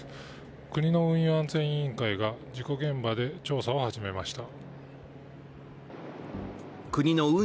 国の運輸安全委員会が事故現場で調査を始めました。